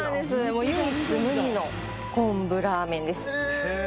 もう唯一無二の昆布ラーメンですへえ